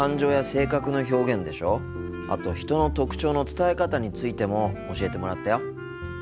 あと人の特徴の伝え方についても教えてもらったよ。